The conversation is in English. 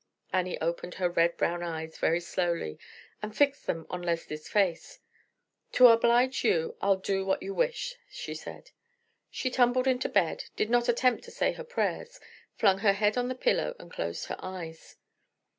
Annie opened her red brown eyes very slowly, and fixed them on Leslie's face. "To oblige you, I'll do what you wish," she said. She tumbled into bed, did not attempt to say her prayers, flung her head on the pillow, and closed her eyes.